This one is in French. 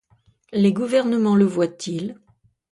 Les gouvernements le voient-ils?